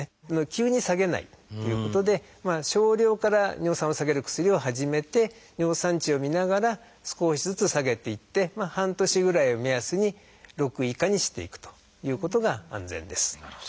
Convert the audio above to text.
「急に下げない」ということで少量から尿酸を下げる薬を始めて尿酸値を見ながら少しずつ下げていって半年ぐらいを目安に６以下にしていくということが安全です。